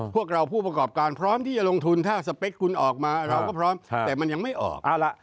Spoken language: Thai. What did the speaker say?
พวกเราผู้ประกอบการพร้อมที่จะลงทุนถ้าสเปคคุณออกมาเราก็พร้อมแต่มันยังไม่ออกเอาละ